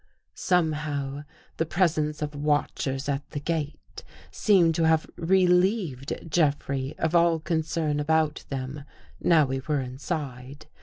| Somehow, the presence of watchers at the gate [ seemed to have relieved Jeffrey of all concern about ; them, now we were inside.